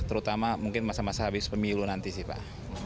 terutama mungkin masa masa habis pemilu nanti sih pak